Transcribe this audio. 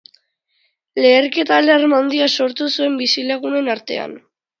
Leherketak alarma handia sortu zuen bizilagunen artean.